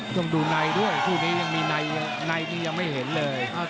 ต้องดูในด้วยคู่นี้ยังมีในที่ยังไม่เห็นเลย